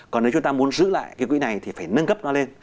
còn nếu chúng ta muốn giữ lại cái quỹ này thì phải nâng cấp nó lên